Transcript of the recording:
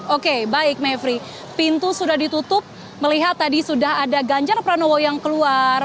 oke baik mevri pintu sudah ditutup melihat tadi sudah ada ganjar pranowo yang keluar